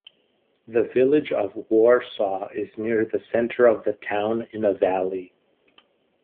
The village of Warsaw is near the center of the town in a valley.